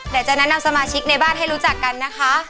จะแนะนำสมาชิกในบ้านให้รู้จักกันนะคะ